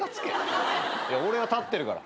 いや俺は立ってるから。